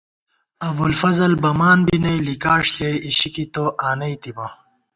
ابُوالفضل بَمان بی نئ ، لِکاݭ ݪِیَئ اِشِکی تو آنَئیتِبہ